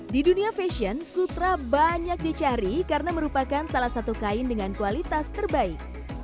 di dunia fashion sutra banyak dicari karena merupakan salah satu kain dengan kualitas terbaik